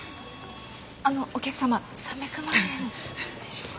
あのお客様３００万円でしょうか？